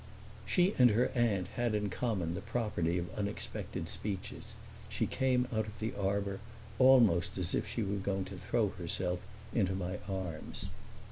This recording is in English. She and her aunt had in common the property of unexpected speeches. She came out of the arbor almost as if she were going to throw herself into my arms.